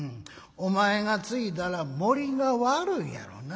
お前がついだら盛りが悪いやろな。